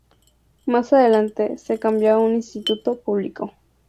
Más adelante, se cambió a un instituto público.